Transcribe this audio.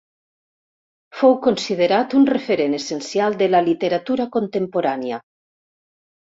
Fou considerat un referent essencial de la literatura contemporània.